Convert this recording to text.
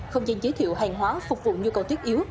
không gian giới thiệu hàng hóa phục vụ nhu cầu tuyết yếu